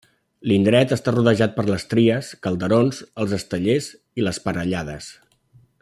L'indret està rodejat per Les Tries, Calderons, Els Estellers i Les Parellades.